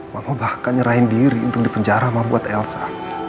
mama bahkan nyerahin diri untuk dipenjara ma buat elsa